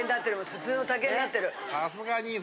普通の竹になってる。